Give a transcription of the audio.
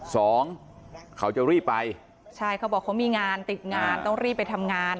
สองเขาจะรีบไปใช่เขาบอกเขามีงานติดงานต้องรีบไปทำงาน